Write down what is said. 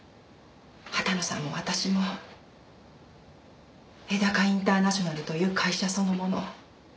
畑野さんも私も絵高インターナショナルという会社そのもの全てに対して。